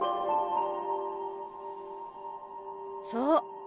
そう。